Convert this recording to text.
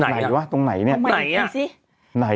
ไหนวะตรงไหนเนี่ย